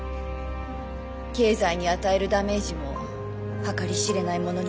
経済に与えるダメージも計り知れないものになるでしょう。